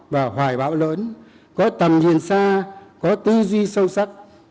và hoài bão lớn có tầm nhìn xa có tư duy sâu sắc